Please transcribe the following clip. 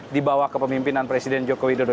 dibawah kepemimpinan presiden jokowi dodo